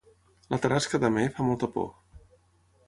La tarasca d'Amer fa molta por